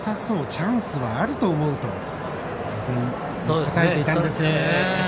チャンスはあると思う」と事前に答えていたんですよね。